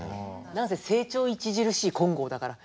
何せ「成長著しい金剛」だから。